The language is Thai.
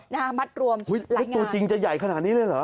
และตัวจริงจะใหญ่ขนาดนี้เลยเหรอ